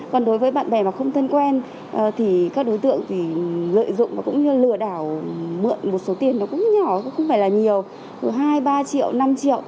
còn đối với bạn bè mà không thân quen các đối tượng lợi dụng cũng như lừa đảo mượn một số tiền cũng nhỏ không phải là nhiều hai ba triệu năm triệu